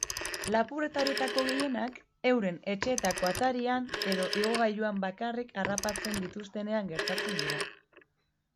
Lapurreta horietako gehienak euren etxeetako atarian edo igogailuan bakarrik harrapatzen dituztenean gertatzen dira.